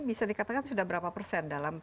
bisa dikatakan sudah berapa persen dalam